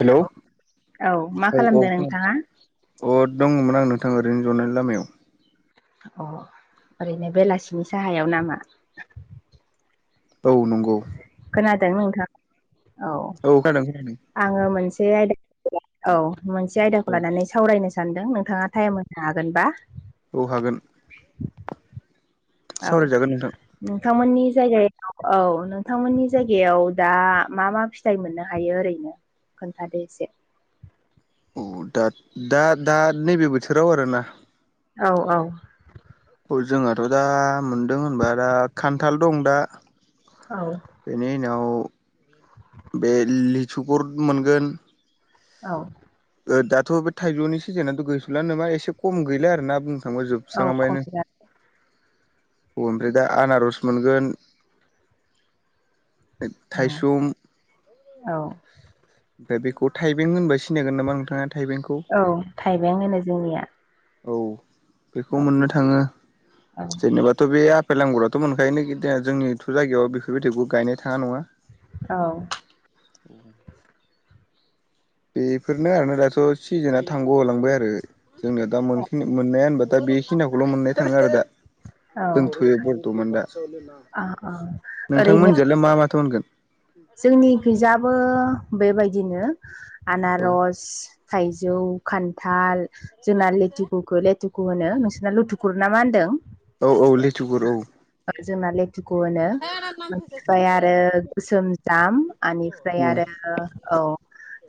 Hello hello औ औ मा औ खालामदों खोनादों नोंथाङा? अ दङमोन आं नोंथां ओरैनो जनायनि लामायाव अ ओरैनो बेलासिनि साहायाव नामा? औ नंगौ। खोनादों नोंथाङा औ। औ खानादों खोना आङो मोनसे आयदा औ मोनसे आयदाखौ लानानै स सावरायनो सानदों नोंथाङा टाइम होनो हागोनबा? औ हागोन। औ। सावरायजागोन नोंथां नोंथांमोननि जायगायाव औ नोंथांमोननि जायगायाव दा मा मा फिथ फिथाइ मोननो हायो ओरैनो खोन्थादो एसे? औ दा दा नैबे बोथोराव आरोना? औ औ। औ जोंहाथ' दा मोनदों होनबा दा खान्थाल दं दा। औ बेनि उनाव बे लिथुफोर मोनगोन औ ओ दाथ' बे थाइजौनि सिजोनाथ' गैसुलानो नामा एसे खम गैला आरो ना बुंनो थांबा जोब औ स्रां खम लांबायनो औ आमफ्राय दा आनारस मोनगोन औ थाइसुम औ ओमफ्राय बेखौ थाइबें होनबा सिनायगोन नामा नोंथाङा थाइबेंखौ? औ थाइबें होनो जोंनिया औ बेखौ औ मोननो थाङो। औ जेनेबाथ' बे आफेल आंगुराथ' मोनखायो ना जितिया जोंनिथ' जायगायावथ' बेफोरबायदिखौ गायनो थाङा नङा। औ बेफोरनो आरो दाथ' सिजोनआ थांग' होलांबाय आरो जोंनिया दा मोननाया होनबा दा बेखिनिखौल' मोननाय थाङो आरो दा औ दोनथ'यो बरथ'मान दा औ नोंथांमोनजोंयालाय मा माथो मोनगोन? जोंनि खैजाबो बेबायदिनो औ आनारस थाइजौ खान्थाल जोंना लेथुखु'खौ लेथुखु' होनो नोंसोरना लुथुखुर ना मा होनदों? औ औ लेथुगुर औ जोंना लेथुखौ होनो आमफ्राय आरो गोसोम फ्राय आंनिफ्राय बुं आरो औ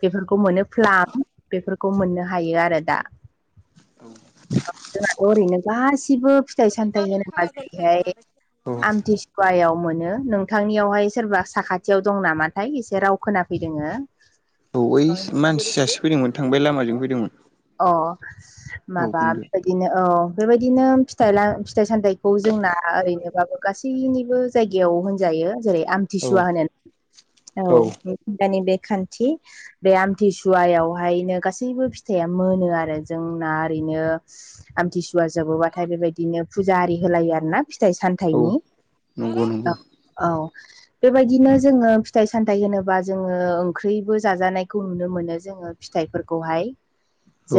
बेफोरखौ मोनो फ्लाम बेफोरखौ मोननो हायो आरो दा जोंनाथ' ओरैनो गासिबो फिथाइ सामथायाइ होनोबा जेरैहाय औ गवायाव मोनो। नोंथांनियावहाय सोरबा साखाथियाव दं नामाथाय एसे राव खोनाफैदोङो औ ओइ मानसि सासे फैदोंमोन थांबाय लामाजों फैदोंमोन अ औ माबा बुंदो बेबायदिनो औ बेबायदिनो फिथाइ सामथखौ जोंना ओरैनोबाबो गासैनिबो जायगायाव होनजायो जेरै औ थिसुवा होनो। औ दानि बे खान्थि बे आमथिसुवायावहायनो गासैबो फि थाया मोनो आरो जोंना ओरैनो आमथिसुवा जोबोबाथाय बेबायदिनो फुजा आरि होलायो आरो ना फिथाइ साम औ थाइनि। नंगौ औ नंगौ औ बेबायदिनो जोङो फिथाइ सामथायाइ होनोबा जोङो ओंख्रिबो जाजानायखौ नुनो मोनो जोङो फिथाइफोरखौहाय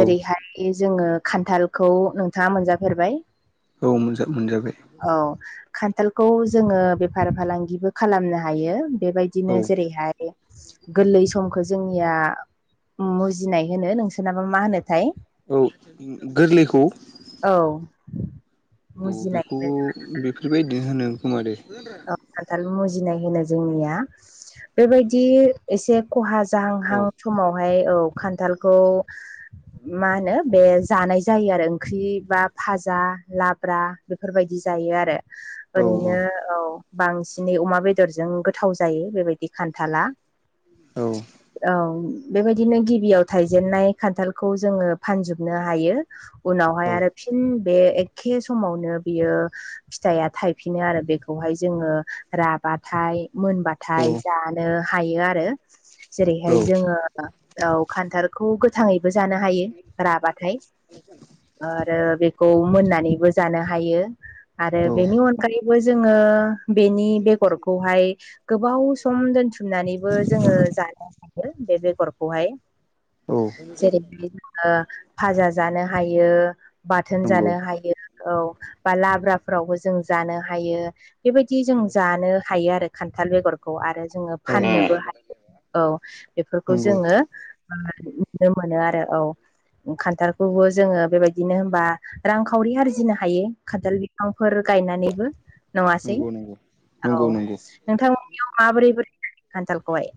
औ जोङो खान्थालखौ नोंथाङा मोनजाफेरबाय? औ मोनजा मोनजाबाय औ खान्थालखौ जोङो बेफार फालांगिबो खालामनो हायो। बेबायदिनो औ जेरैहाय गोरलै समखौ जोंनिया मुजिनाय होनो नोंसोरनाबा मा होनोथाय? औ गोरलैखौ औ औ मुजिनाय बेखौ होनो बेफोरबायदिनो होनो खोमादै औ खान्थाल मुजिनाय होनो जोंनिया। बेबायदि एसे खहा- औ जाहांहां समावहाय औ खान्थालखौ मा होनो बे जानाय जायो आरो ओंख्रि बा फाजा लाब्रा बेफोरबायदि जायो आरो औ ओरैनो औ बांसिनै अमा बेदरजों गोथाव जायो बेबायदि खान्थाला औ औ बेबायदिनो गिबियाव थाइजेनन्नाय खान्थालखौ जोङो फानजोबनो हायो उनावहाय औ आरो फिन बे एखे समावनो बियो फिथाइया थायफिनो आरो बे खौहाय जोङो राबाथाय मोनबा थाय जानो हायो आरो जेरैहाय औ जोङो औ खान्थालखौ गोथाङैबो जानो हायो राबाथाय आरो बे खौ मोननानैबो जानो हायो आरो औ बेनि अनगायैबो जोङो बेनि बेगरखौहाय गोबाव सम दोनथुमनानैबो जोङो जानो हायो बेगर खौहाय औ जेरै जोङो फाजा जानो हायो बाथोन नंगौ जानो हायो औ बा लाब्राफोरावबो जों जानो हा यो बेबायदि जों जानो हायो आरो खान्थाल बेगर खौ आरो जोङो औ फाननोबो हायो औ नंगौ बेफोरखौ जोङो नुनो मोनो आरो औ खान्थालखौबो जोङो बेबायदिनो होनबा रांखावरि आरजिनो हायो खान्थाल बिफांफोर गायनानैबो। नङासै नंगौ औ नंगौ नंगौ नोंथांमोननियाव माबोरै बोरै खान्थालखौहाय।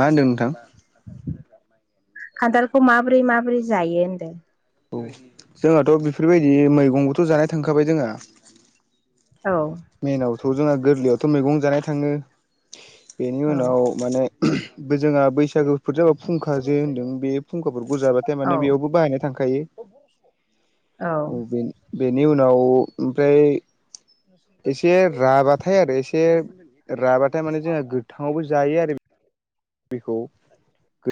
मा होन्दों नोंथां? [inaudible] खान्थालखौ माबोरै माबोरै जायो होनदों? औ जोंहाथ' बेफोरबायदि मैगंबोथ' जानाय थांखाबाय जोंहा। औ मेइनावथ' जोंहा गोरलैयावथ' मैगं जानाय थाङो बेनि औ उनाव माने बे जोंहा बैसागोफोर जाबा फुंखा जे होन्दों बे फुंखाफोरखौ जाबा औ थारमाने बेयावबो बाहायनो थांखायो ओम औ बे बेनि उनाव ओमफ्राय एसे राबाथाय आरो एसे राबाथाय माने जोंहा गोथाङावबो जायो आरो बे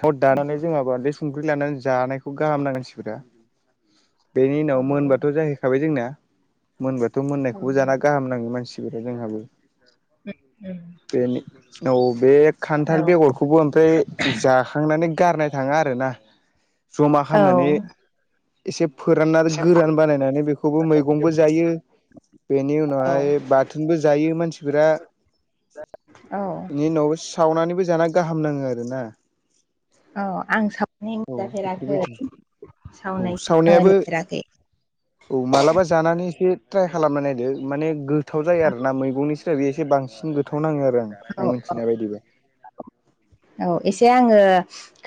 खौ दानानै जोंहा बा नलु संख्रि लानानै जानायखौ गाहाम नाङो मानसिफोरा बेनि उनाव औ मोनबाथ' जाय मोन खाबाय जोंना मोनबाथ' औ मोननायखौबो जाना गाहाम नाङो मानसिफोरा जोंहाबो। बेनि औ बे खान्थाल बेगर खौबो ओमफ्राय जाखांनानै गारना थाङो आरोना जमा औ खालामनानै एसे फोराना गोरान बानायनानै बेखौबो मैगंबो जायो। बेनि औ उनावहाय बाथोनबो जायो मानसिफोरा। औ बेनि उनावबो सावनानैबो जाना गाहाम नाङो आरो ना। औ आं सावनाय मोनजाफेराखै औ सावनायखौ सावनायाबो नुफेराखै। औ मालाबा जानानै एसे ट्राय खालामना नायदो माने गोथाव जायो आरोना मैगंनिसाय बे एसे बांसिन गोथाव नाङो आरो आंना औ आं मिथिनाय बायदिबा औ एसे आङो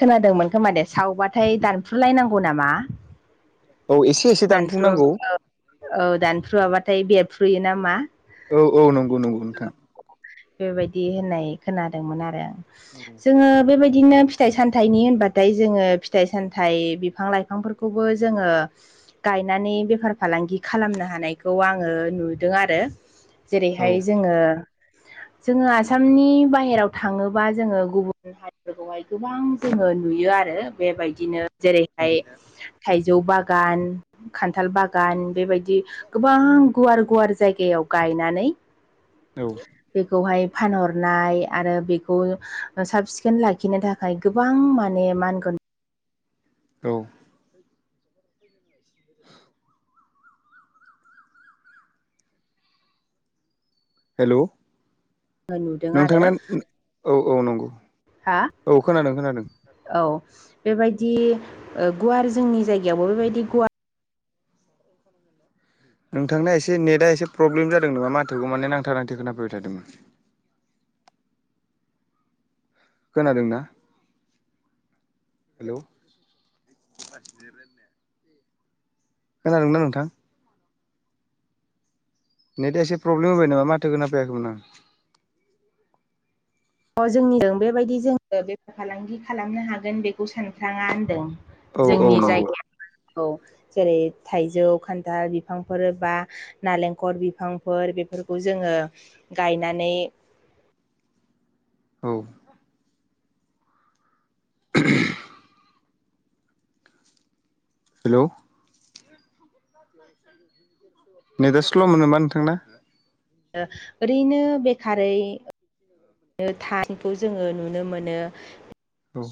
खोनादोंमोन खोमा दे सावबाथाय दानफ्रुलायनांगौ नामा? औ एसे एसे दानफ्रु दानफुंनांगौ। औ दानफ्रुवाबाथाय बेरफ्रुयो नामा। औ औ नंगौ नंगौ नोंथां बेबायदि होननाय खोनादोंमोन आरो जोङो बेबायदि बिदिनो फिथाइ सामथाइनि होनबाथाय जोङो फिथाइ सामथाइ बिफां लाइफांफोरखौबो जोङो गायनानै बेफार फालांगि खालामनो हानायखौ आङो नुदों आरो। औ जेरैहाय जोङो जोङो आसामनि बाहेराव थाङोबा जोङो गुबुन हारिफोरखौहाय गोबां जोङो नुयो आरो बेबायदिनो जेरैहाय थाइजौ बागान खान्थाल बागान बेबायदि गोबां गुवार गुवार जायगायाव गायनानै औ बेखौहाय फानहर नाय आरो बेखौ साब सिखोन लाखिनो थाखाय गोबां माने मा होनगोन औ। [inaudible] हेलौ। नुदों आरो नोंथांना औ औ नंगौ हा औ खोनादों खोनादों। औ बेबायदि गुवार जोंनि जायगायावबो बेबायदि गुवा नोंथांना एसे नेटआ एसे प्रब्लेम जादों नामा माथोखौ माने नांथा नांथे खोनाफैबाय थादोंमोन। खोनादोंना हेल'। [inaudible] खोनादों ना नोंथां? नेटआ एसे प्रब्लेम होब नामा माथो खोनाफैयाखैमोन आं। अ जोंनिजों बेबायदि जोङो बेफार फालांगि खालामनो हागोन बेखौ सानफ्राङा होनदों। औ औ जोंनि नंगौ जायगायाव जेरै थाइजौ खान्थाल बिफांफोर बा नालेंखर बिफांफोर बेफोरखौ जोङो गायनानै औ। [inaudible] हेलौ। [inaudible] नेतआ स्ल'मोन नामा नोंथांना? ओ ओरैनो बेखारै थानायखौ जोङो नुनो मोनो। औ।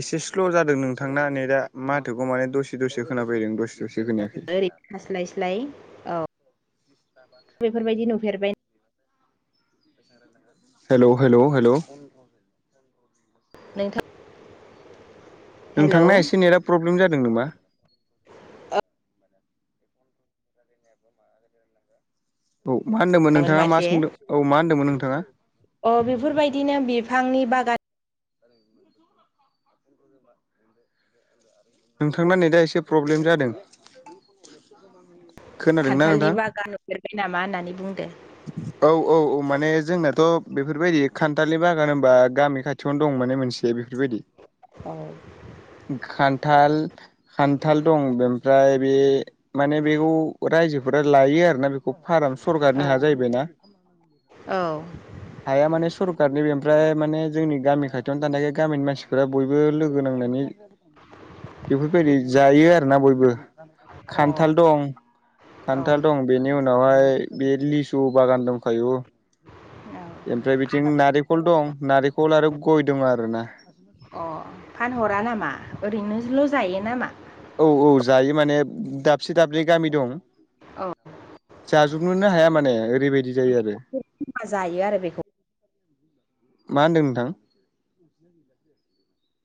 एसे स्ल' जादों नोंथांना नेतआ माथोखौ माने दसे दसे खोनाफैदों दसे दसे खोनायाखै। थास्लायस्लाय औ बेफोरबायदि नुफेरबाय। [inaudible] Hello hello hello. नोंथां। नोंथांना हेलौमोन एसे नेटआ प्रब्लेम जादों नामा? [inaudible] औ मा होन्दोंमोन नोंथाङा मा मानसे सोंदों औ मा होन्दोंमोन नोंथाङा? अ बेफोरबायदिनो बिफांनि बागान [inaudible] नोंथांना नेतआ एसे प्रब्लेम जादों। खोनादोंना खान्थालनि नोंथां बागान नुफेरबाय नामा होननानै बुंदों? औ औ औ माने जोंनाथ' बेफोरबायदि खान्थालनि बागान होनबा गामि खाथि खाथियावनो दं माने मोनसेया बेफोरबायदि। औ। खान्थाल खान्थाल दं बेमफ्राय बे माने बेखौ रायजोफोरा लायो आरो ना बेखौ फार्म औ सरखारनि हा जाहैबायना। हाया माने सरखारनि बे ओफ्राय माने जोंनि गामि खाथियावनो थानायखाय गामिनि मानसिफ बयबो लोगो नांनानै बेफोरबायदि जायो आरोना बयबो। औ खान्थाल दं अ औ खान्थाल दं बेनि उनावहाय बे लिसु सु बागान दंखायु। औ ओमफ्राय बिथिं नारेंखल दं नारेंखल आरो गय दं आरोना। अ फानहरा नामा ओरैनोल' जायो नामा? औ औ जायो माने दाबसे दाबनै गामि दं। औ। जाजुबनोनो हाया माने ओरैबायदि जायो आरो। जायो आरो बेखौ मा होन्दों नोंथां? [inaudible]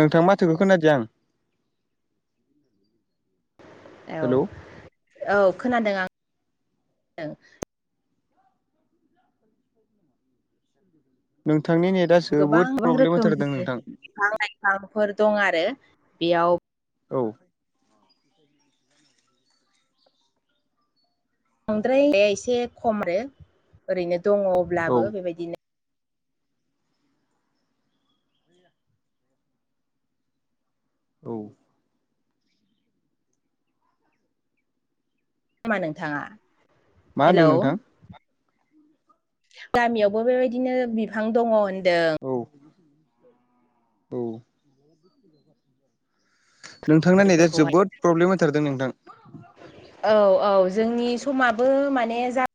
नोंथां माथोखौ खोनादिया आं औ हेलौ औ खोनादों आं नोंथांनि नेटआ गोबां जोबोद गोबां प्रब्लेम होथारोदां रोखोमनि नोंथां बिफां लाइफांफोर दं आरो बेयाव औ बांद्रायाया एसे खम आरो ओरैनो दङ औ अब्लाबो बेबायदिनो औ नामा नोंथाङा मा होनदों हेलौ नोंथां गामियावबो बेबायदिनो बिफां दङ होनदों औ औ नोंथांना नेटआ बेफोरखौहाय जोबोद प्रब्लेम होथारोदां नोंथां औ औ जोंनि समाबो माने जा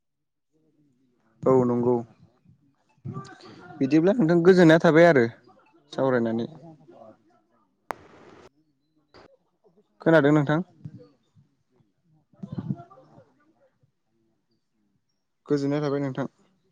औ नंगौ बिदिब्ला नोंथां गोजोननाया थाबाय आरो सावरायनानै खोनादों नोंथां गोजोननाय थाबाय नोंथां